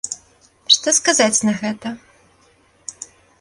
Што сказаць на гэта?!